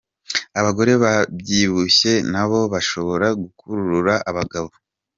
Abagore babyibushye na bo bashobora gukurura abagabo